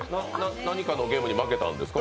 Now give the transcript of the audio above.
何かのゲームに負けたんですか？